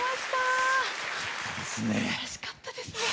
すばらしかったですね。